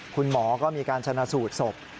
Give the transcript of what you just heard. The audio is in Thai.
คุณหมอก็มีการชนะสูตรศพ